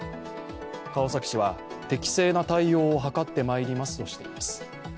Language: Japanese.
川崎市は、適正な対応を図ってまいりますとしています。